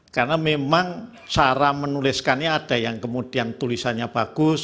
karena memang cara menuliskannya ada yang kemudian tulisannya bagus